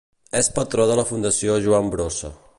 És patró de la Fundació Joan Brossa.